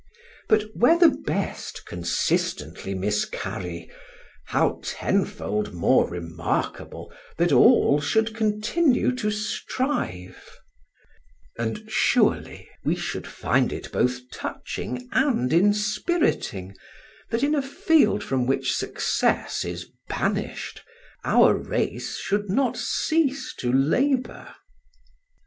But where the best consistently miscarry, how tenfold more remarkable that all should continue to strive; and surely we should find it both touching and inspiriting, that in a field from which success is banished, our race should not cease to labour.